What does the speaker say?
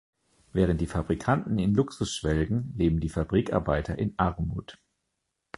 Während die Fabrikanten in Luxus schwelgen, leben die Fabrikarbeiter in Armut.